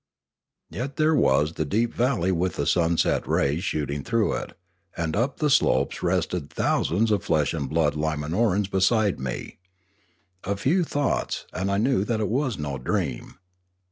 Yet there was the deep valley with the sunset rays shooting through it ; and up the slopes rested thou sands of flesh and blood Limanorans beside me. A few thoughts, and 1 knew that it was no dream.